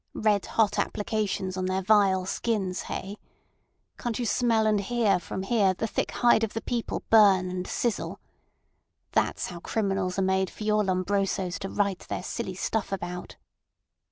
Red hot applications on their vile skins—hey? Can't you smell and hear from here the thick hide of the people burn and sizzle? That's how criminals are made for your Lombrosos to write their silly stuff about."